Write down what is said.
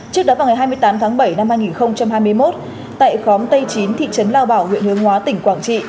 trước đó vào ngày hai mươi tám tháng bảy năm hai nghìn hai mươi một tại khóm tây chín thị trấn lao bảo huyện hướng hóa tỉnh quảng trị